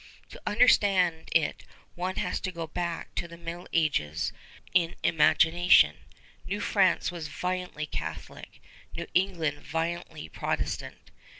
To understand it one has to go back to the Middle Ages in imagination. New France was violently Catholic, New England violently Protestant.